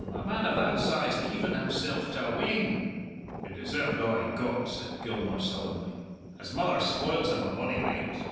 A man of that size to even himsell to a wean!" "He deserved a' he got," said Gilmour sullenly. "His mother spoils him, at ony rate.